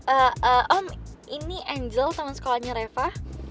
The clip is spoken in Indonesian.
om ini angel teman sekolahnya reva